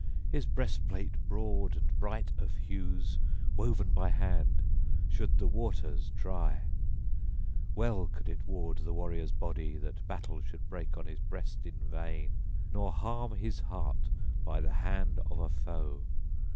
His breastplate broad and bright of hues, woven by hand, should the waters try; well could it ward the warrior's body that battle should break on his breast in vain nor harm his heart by the hand of a foe.